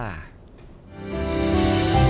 สวัสดีครับ